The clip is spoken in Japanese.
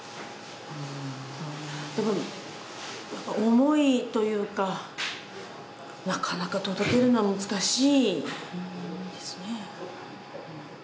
思いというか、なかなか届けるのは難しいですね。